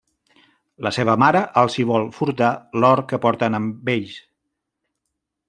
La seva mare els hi vol furtar l'or que porten amb ells.